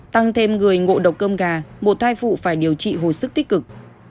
tăng thêm người ngộ độc cơm gà một thai phụ phải điều trị hồi sức tích cực